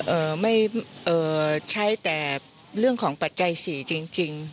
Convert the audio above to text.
เอ่อไม่เอ่อใช้แต่เรื่องของปัจจัยสี่จริงจริง